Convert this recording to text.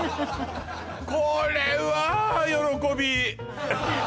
これは喜び！